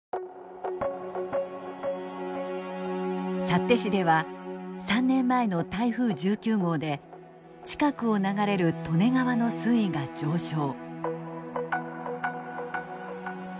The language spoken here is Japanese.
幸手市では３年前の台風１９号で近くを流れる利根川の水位が上昇。